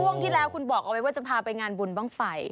ช่วงที่แล้วคุณบอกเอาไว้ว่าจะพาไปงานบุญบ้างไฟ